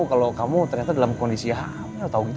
kalo kamu ternyata dalam kondisi hamil